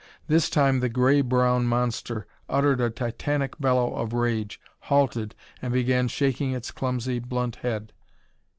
This time the gray brown monster uttered a titantic bellow of rage, halted, and began shaking its clumsy blunt head.